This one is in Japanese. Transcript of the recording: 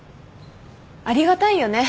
ありがたいよね。